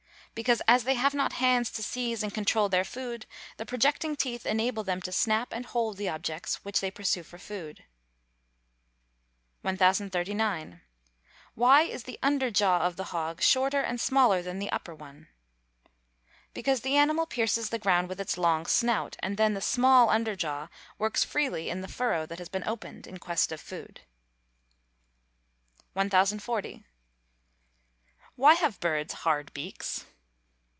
_ Because as they have not hands to seize and controul their food, the projecting teeth enable them to snap and hold the objects which they pursue for food. 1039. Why is the under jaw of the hog, shorter and smaller than the upper one? Because the animal pierces the ground with its long snout, and then the small under jaw works freely in the furrow that has been opened, in quest of food. 1040. _Why have birds hard beaks?